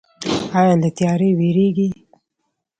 ایا له تیاره ویریږئ؟